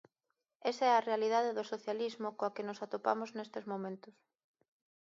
Esa é a realidade do socialismo coa que nos atopamos nestes momentos.